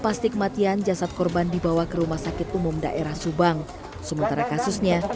pasti kematian jasad korban dibawa ke rumah sakit umum daerah subang sementara kasusnya